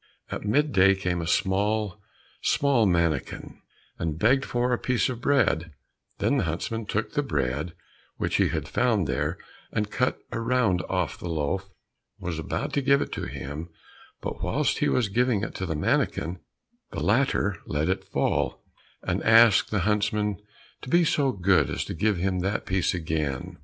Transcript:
At mid day came a small, small mannikin and begged for a piece of bread, then the huntsman took the bread which he had found there, and cut a round off the loaf and was about to give it to him, but whilst he was giving it to the mannikin, the latter let it fall, and asked the huntsman to be so good as to give him that piece again.